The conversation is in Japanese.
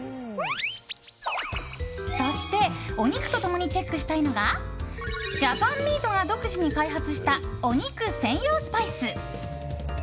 そしてお肉と共にチェックしたいのがジャパンミートが独自に開発したお肉専用スパイス。